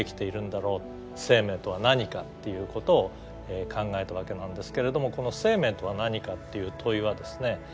「生命とは何か」っていうことを考えたわけなんですけれどもこの「生命とは何か」っていう問いはですね